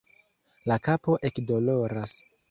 La kapo ekdoloras